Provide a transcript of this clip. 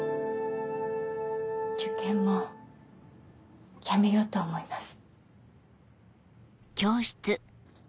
受験もやめようと思います。